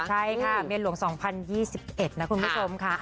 ใช่ค่ะเมียหลวง๒๐๒๑นะคุณผู้ชมค่ะ